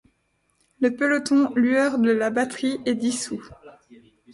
Le peloton lueur de la Batterie est dissout.